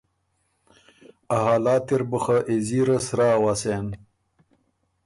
ا حالات اِر بُو خه ایزیره سرۀ اؤسېن